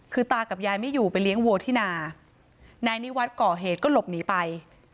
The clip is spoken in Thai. คือตากับยายไม่อยู่ไปเลี้ยงวัวที่นานายนิวัฒน์ก่อเหตุก็หลบหนีไป